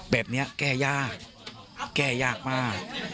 แบบนี้แก้ยากแก้ยากมาก